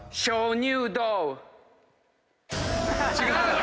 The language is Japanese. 違う！